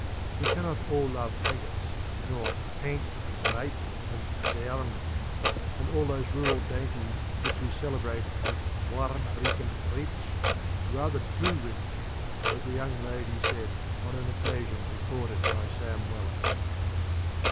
We cannot all love Haggis, nor 'painch, tripe, and thairm,' and all those rural dainties which you celebrate as 'warm reekin, rich!' 'Rather too rich,' as the Young Lady said on an occasion recorded by Sam Weller.